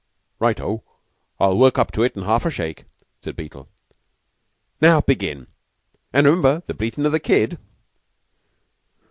"Right O! I'll work up to it in half a shake," said Beetle. "Now begin and remember the bleatin' o' the kid."